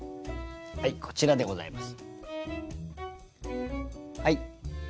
はいこちらでございます。